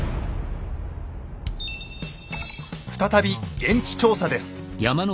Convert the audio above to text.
再び現地調査です。